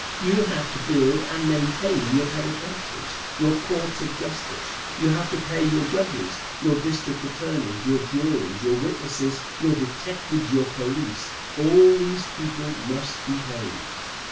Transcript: You have to build and maintain your penitentiaries, your courts of justice; you have to pay your judges, your district attorneys, your juries, you witnesses, your detectives, your police all these people must be paid.